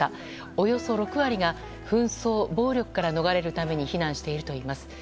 およそ６割が紛争、暴力から逃れるために避難しているといいます。